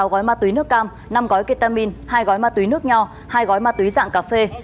sáu gói ma túy nước cam năm gói ketamin hai gói ma túy nước nho hai gói ma túy dạng cà phê